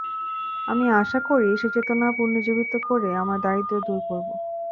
আমি আশা করি, সেই চেতনা পুনর্জীবিত করে আমরা দারিদ্র্য দূর করব।